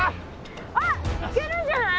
あっいけるんじゃない？